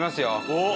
おっ！